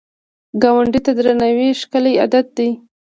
ګاونډي ته درناوی ښکلی عادت دی